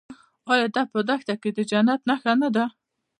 آیا دا په دښته کې د جنت نښه نه ده؟